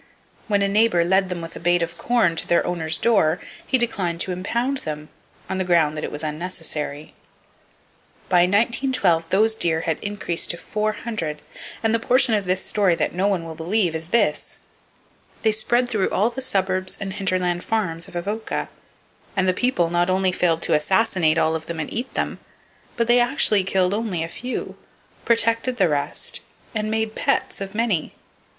When a neighbor led them with a bait of corn to their owner's door, he declined to impound them, on the ground that it was unnecessary. [Page 172] By 1912, those deer had increased to 400, and the portion of this story that no one will believe is this: they spread all through the suburbs and hinterland farms of Avoca, and the people not only failed to assassinate all of them and eat them, but they actually killed only a few, protected the rest, and made pets of many!